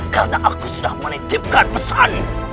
karena aku sudah menitipkan pesan